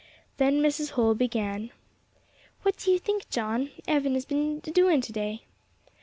Then Mrs. Holl began "What do you think, John, Evan 'as been a doing to day?"